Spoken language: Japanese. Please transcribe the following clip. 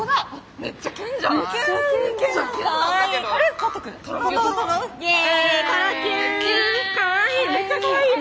めっちゃかわいいね！